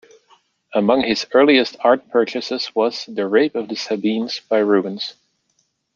Among his earliest art purchases was "The Rape of the Sabines" by Rubens.